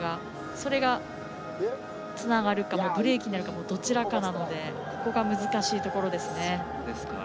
それがつながるかもブレーキになるかもどちらかなのでここか難しいところです。